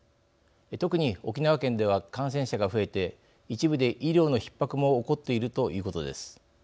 特に沖縄県では感染者が増えて一部で医療のひっ迫も起こっているということです。